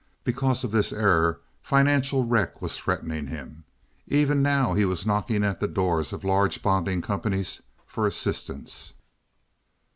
Because of this error financial wreck was threatening him. Even now he was knocking at the doors of large bonding companies for assistance.